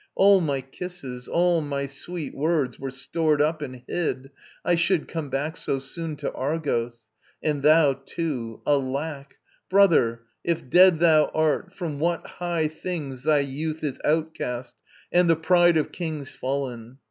All my kisses, all my sweet Words were stored up and hid: I should come back So soon to Argos! And thou, too: alack, Brother, if dead thou art, from what high things Thy youth is outcast, and the pride of kings Fallen!